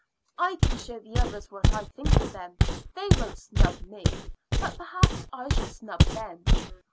"I can show the others what I think of them. They won't snub me, but perhaps I shall snub them.